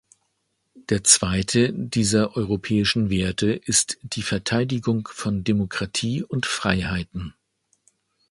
Der Zweite dieser europäischen Werte ist die Verteidigung von Demokratie und Freiheiten.